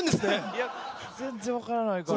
いや全然わからないから。